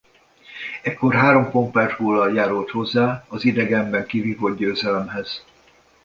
Ekkor három pompás góllal járult hozzá az idegenben kivívott győzelemhez.